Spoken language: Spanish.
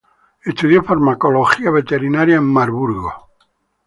Estudió farmacología veterinaria en Marburg.